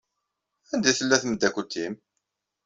Anda tella tmeddakel-nnem?